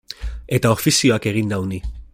Eta ofizioak egin nau ni.